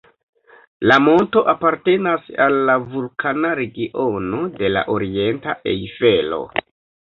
La monto apartenas al la vulkana regiono de la orienta Ejfelo.